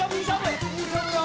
いい勝負よ。